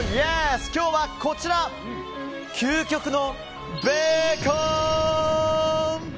今日はこちら、究極のベーコン！